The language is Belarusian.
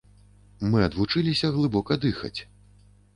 Мы адвучыліся глыбока дыхаць.